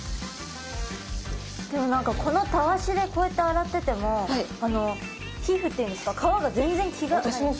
でも何かこのたわしでこうやって洗ってても皮膚っていうんですか皮が全然傷つかないから。